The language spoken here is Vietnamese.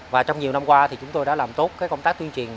và trong nhiều năm qua thì chúng tôi đã làm tốt công tác tuyên truyền